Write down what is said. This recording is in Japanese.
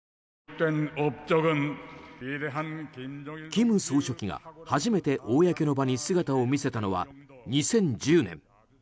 金総書記が初めて公の場に姿を見せたのは２０１０年。